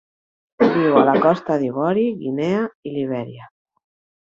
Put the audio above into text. Viu a la Costa d'Ivori, Guinea i Libèria.